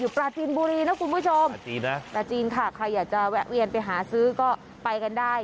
ปราจีนบุรีนะคุณผู้ชมปลาจีนค่ะใครอยากจะแวะเวียนไปหาซื้อก็ไปกันได้